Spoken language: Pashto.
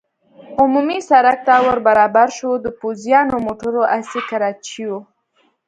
عمومي سړک ته ور برابر شو، د پوځیانو، موټرو، اسي کراچیو.